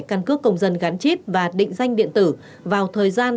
căn cước công dân gắn chip và định danh điện tử vào thời gian